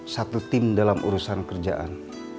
satu tim dalam urusan kerjaan